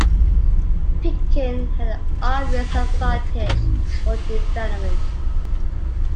Pecan had an obvious advantage for development.